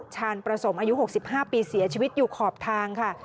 ชาญประสมอายุ๖๕ปีเสียชีวิตอยู่ขอบทางค่ะ